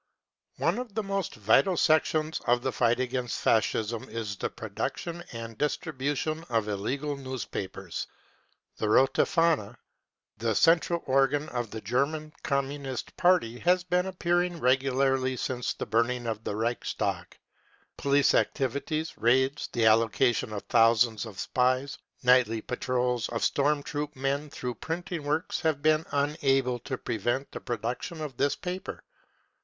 One of the most vital sec tions of the fight against Fascism is the production and dis tribution of illegal newspapers. The Rote Fahne , the central organ of the German Communist Party, has been appear ing regularly since the burning of the Reichstag. Police activities, raids, the allocation of thousands of spies, nightly patrols of storm troop men through printing works have been unable to prevent the production of this paper.